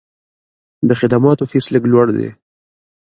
د خدماتو فیس لږ لوړ دی.